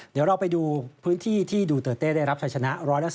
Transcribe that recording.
เดี๋ยวเราไปดูพื้นที่ที่ดูเตอร์เต้ได้รับชัยชนะ๑๓